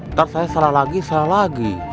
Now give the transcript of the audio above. ntar saya salah lagi salah lagi